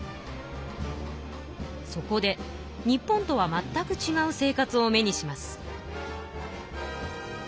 そこで日本とはまったくちがう生活を目にします。